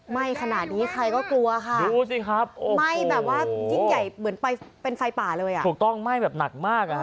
ไหม้ขนาดนี้ใครก็กลัวค่ะ